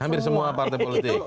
hampir semua partai politik